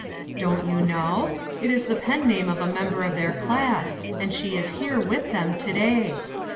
"Don't you know? It is the pen name of a member of their class, and she is here with them to day.